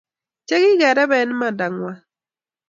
Che kigerebe imandang’wang